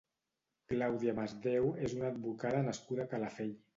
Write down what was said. Clàudia Masdéu és una advocada nascuda a Calafell.